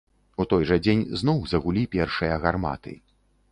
У той жа дзень зноў загулі першыя гарматы.